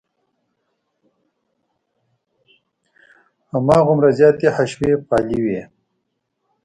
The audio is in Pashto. هماغومره زیاتې حشوي پالې وې.